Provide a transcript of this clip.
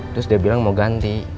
terus dia bilang mau ganti